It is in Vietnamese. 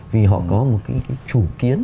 vì họ có một cái chủ kiến